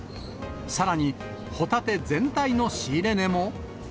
さらに、ホタテ全体の仕入れ値も。